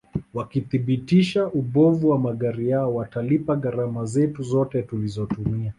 wakithibitisha ubovu wa magari yao watalipa gharama zetu zote tulizotumia